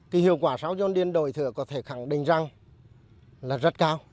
kỳ hiệu quả sau dồn điền đổi thừa có thể khẳng định rằng là rất cao